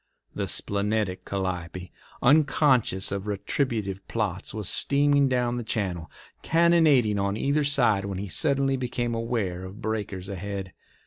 The splenetic Calliope, unconscious of retributive plots, was steaming down the channel, cannonading on either side, when he suddenly became aware of breakers ahead.